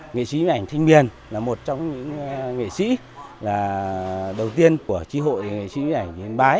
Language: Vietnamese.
nghệ sĩ nhiếp ảnh thanh miền là một trong những nghệ sĩ đầu tiên của tri hội nghệ sĩ nhiếp ảnh nhiên bái